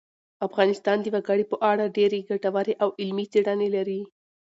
افغانستان د وګړي په اړه ډېرې ګټورې او علمي څېړنې لري.